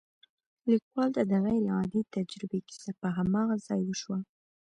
ليکوال ته د غير عادي تجربې کيسه په هماغه ځای وشوه.